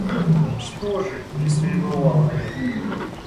Что же, если и бывал грех